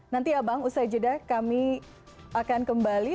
nanti ya bang usai jeda kami akan kembali